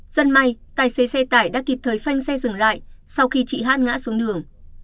dân may tài xế xe tải đã kịp thời phanh xe dừng lại sau khi chị hát ngã xuống đường